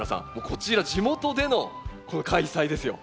こちら地元での開催ですよ。